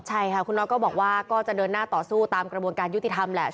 ใช่ค่ะคุณน็อตก็บอกว่าก็จะเดินหน้าต่อสู้ตามกระบวนการยุติธรรมแหละ